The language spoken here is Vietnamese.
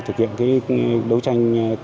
thực hiện đấu tranh